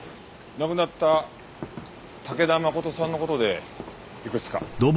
亡くなった武田誠さんの事でいくつか。